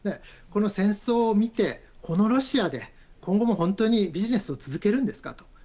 この戦争を見て、このロシアで今後も本当にビジネスを続けるんですかと。